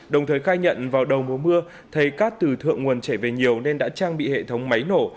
đồng thời khai nhận vào đầu mùa mưa thấy cát từ thượng nguồn trẻ về nhiều nên đã trang bị hệ thống máy nổ